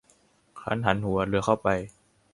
ครั้นหันหัวเรือเข้าไป